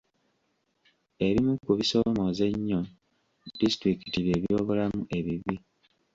Ebimu ku bisoomooza ennyo disitulikiti bye byobulamu ebibi.